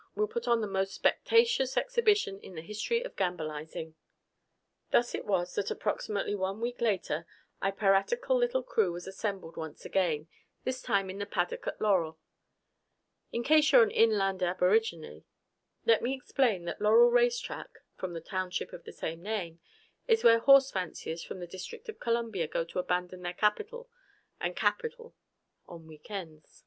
We'll put on the most spectaceous exhibition in the history of gambilizing!" Thus it was that approximately one week later our piratical little crew was assembled once again, this time in the paddock at Laurel. In case you're an inland aborigine, let me explain that Laurel race track (from the township of the same name) is where horse fanciers from the District of Columbia go to abandon their Capitol and capital on weekends.